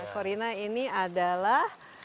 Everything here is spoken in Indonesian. korina ini adalah